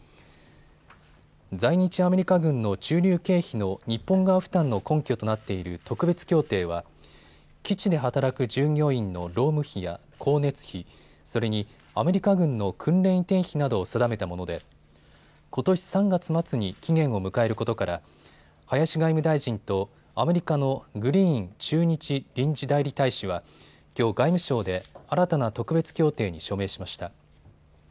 在日アメリカ軍の駐留経費の日本側負担の根拠となっている特別協定は基地で働く従業員の労務費や光熱費、それにアメリカ軍の訓練移転費などを定めたものでことし３月末に期限を迎えることから林外務大臣とアメリカのグリーン駐日臨時代理大使はきょう外務省で新たな特別協定に署名しました。